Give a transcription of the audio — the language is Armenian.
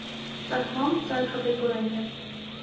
Ծագմամբ ծալքաբեկորային է։